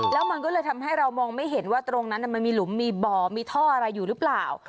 แล้วมันก็เลยทำให้เรามองไม่เห็นว่าตรงนั้นมันมีหลุมมีบ่อมีท่ออะไรอยู่หรือเปล่า